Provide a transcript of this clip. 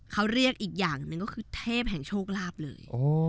เขาเรียกอีกอย่างหนึ่งก็คือเทพแห่งโชคลาภเลย